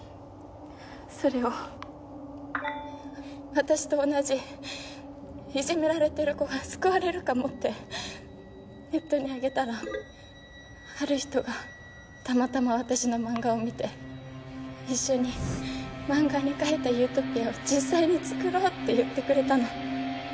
それを私と同じいじめられてる子が救われるかもってネットに上げたらある人がたまたま私の漫画を見て一緒に漫画に描いたユートピアを実際に作ろうって言ってくれたの。